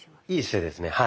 いい姿勢ですね。